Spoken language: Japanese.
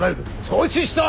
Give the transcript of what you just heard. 承知した。